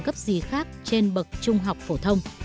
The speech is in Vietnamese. cấp gì khác trên bậc trung học phổ thông